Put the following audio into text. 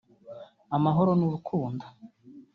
amahoro n’urukundo